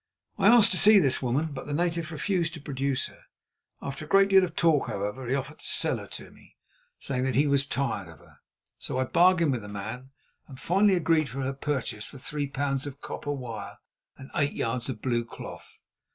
I asked to see this woman, but the native refused to produce her. After a great deal of talk, however, he offered to sell her to me, saying that he was tired of her. So I bargained with the man and finally agreed for her purchase for three pounds of copper wire and eight yards of blue cloth.